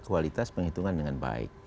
kualitas penghitungan dengan baik